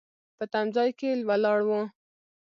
په تم ځای کې ولاړ و.